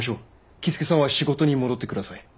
僖助さんは仕事に戻って下さい。